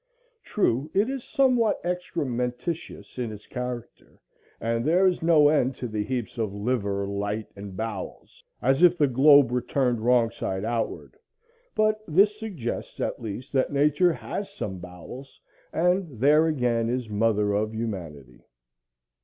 True, it is somewhat excrementitious in its character, and there is no end to the heaps of liver lights and bowels, as if the globe were turned wrong side outward; but this suggests at least that Nature has some bowels, and there again is mother of humanity.